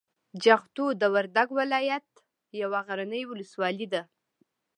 جغتو د وردګو د ولایت یوه غرنۍ ولسوالي ده.